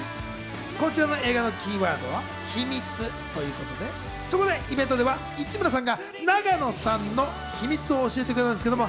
こちらの映画のキーワードは秘密ということで、そこでイベントでは市村さんが永野さんの秘密を教えてくれたんですけれども。